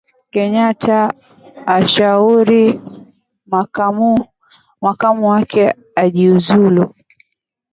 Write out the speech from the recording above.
Kenyatta ashauri makamu wake ajiuzulu